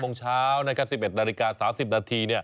โมงเช้า๑๑นาฬิกา๓๐นาที